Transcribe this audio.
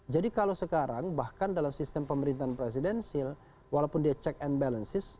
jadi kalau sekarang bahkan dalam sistem pemerintahan presidensial walaupun dia check and balances